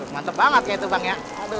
mantep banget ya itu bang ya